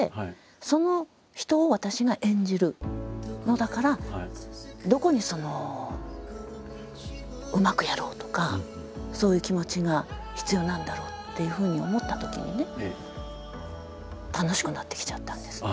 だから私はどこにそのうまくやろうとかそういう気持ちが必要なんだろう？っていうふうに思ったときにね楽しくなってきちゃったんですね。